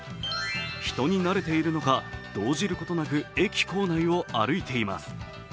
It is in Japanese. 人になれているのか、動じることなく駅構内を歩いています。